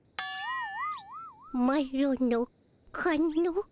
マロのかの。